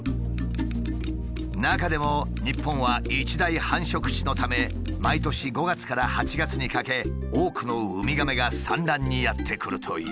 中でも日本は一大繁殖地のため毎年５月から８月にかけ多くのウミガメが産卵にやって来るという。